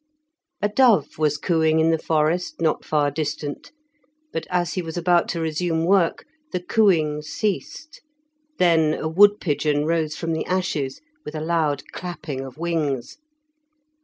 A dove was cooing in the forest not far distant, but as he was about to resume work the cooing ceased. Then a wood pigeon rose from the ashes with a loud clapping of wings.